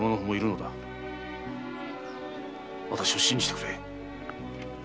わたしを信じてくれ。